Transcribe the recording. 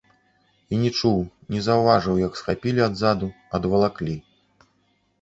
І не чуў, не заўважыў, як схапілі адзаду, адвалаклі.